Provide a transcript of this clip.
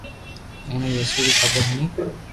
اوڻي يسوع ري خبر ھوڻين